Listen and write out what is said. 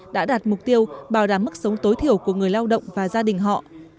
đã đạt mục tiêu bảo đảm mức sống tối thiểu của người lao động và gia đình họ